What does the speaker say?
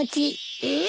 えっ？